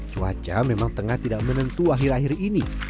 cuaca memang tengah tidak menentu akhir akhir ini